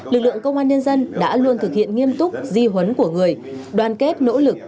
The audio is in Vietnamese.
lực lượng công an nhân dân đã luôn thực hiện nghiêm túc di huấn của người đoàn kết nỗ lực